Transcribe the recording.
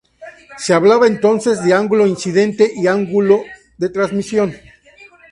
Se habla, entonces, de ángulo incidente y ángulo de transmisión.